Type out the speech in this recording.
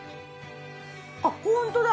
あっホントだ！